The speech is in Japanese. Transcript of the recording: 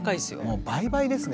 もう倍々ですね。